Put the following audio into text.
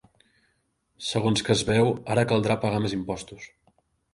Segons que es veu, ara caldrà pagar més impostos.